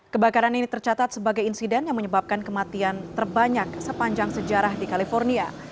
kebakaran ini tercatat sebagai insiden yang menyebabkan kematian terbanyak sepanjang sejarah di california